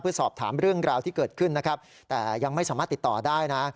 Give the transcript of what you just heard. เพื่อสอบถามเรื่องราวที่เกิดขึ้นนะครับแต่ยังไม่สามารถติดต่อได้นะ